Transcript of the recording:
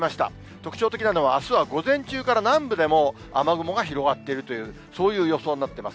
特徴的なのはあすは午前中から南部でも雨雲が広がっているという、そういう予想になっています。